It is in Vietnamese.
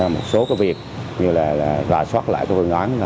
một số việc là soát lại phương án